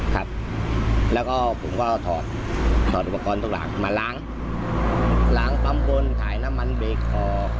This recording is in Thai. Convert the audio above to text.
ครับแล้วก็ผมก็ถอดถอดอุปกรณ์ทุกหลังมาล้างล้างปั๊มบนถ่ายน้ำมันเบรกคอ